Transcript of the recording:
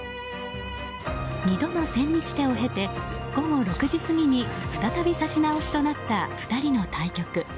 ２度の千日手を経て午後６時過ぎに再び指し直しとなった２人の対局。